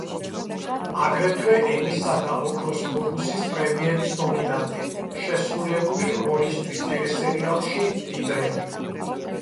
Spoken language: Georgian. აგრეთვე ემისა და ოქროს გლობუსის პრემიების ნომინანტი შესრულებული როლისთვის ტელესერიალში „მდიდრები“.